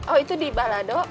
oh itu di balado